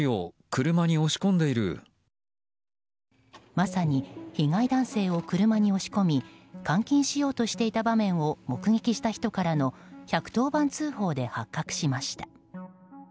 まさに被害男性を車に押し込み監禁しようとしていた場面を目撃した人からの１１０番通報で発覚しました。